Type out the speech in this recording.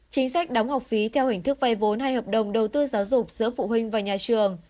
chính sách đóng học phí theo hình thức vay vốn hay hợp đồng đầu tư giáo dục giữa phụ huynh và nhà trường